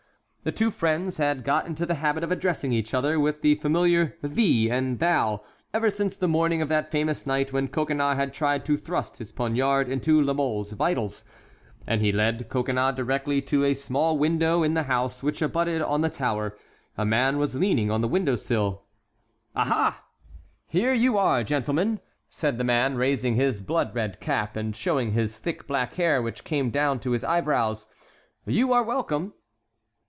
The two friends had got into the habit of addressing each other with the familiar "thee" and "thou" ever since the morning of that famous night when Coconnas had tried to thrust his poniard into La Mole's vitals. And he led Coconnas directly to a small window in the house which abutted on the tower; a man was leaning on the window sill. "Aha! here you are, gentlemen," said the man, raising his blood red cap, and showing his thick black hair, which came down to his eyebrows. "You are welcome."